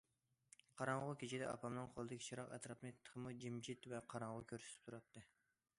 قاراڭغۇ كېچىدە ئاپامنىڭ قولىدىكى چىراغ ئەتراپنى تېخىمۇ جىمجىت ۋە قاراڭغۇ كۆرسىتىپ تۇراتتى.